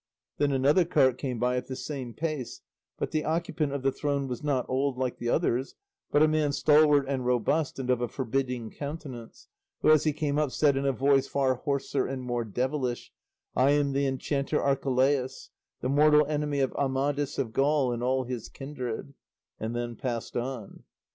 Then another cart came by at the same pace, but the occupant of the throne was not old like the others, but a man stalwart and robust, and of a forbidding countenance, who as he came up said in a voice far hoarser and more devilish, "I am the enchanter Archelaus, the mortal enemy of Amadis of Gaul and all his kindred," and then passed on.